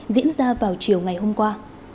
diễn ra vào chiều ngày hôm qua